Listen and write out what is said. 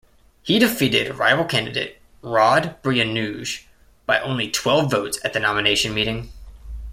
He defeated rival candidate Rod Bruinooge by only twelve votes at the nomination meeting.